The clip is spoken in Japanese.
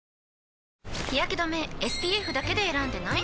日やけ止めＳＰＦだけで選んでない？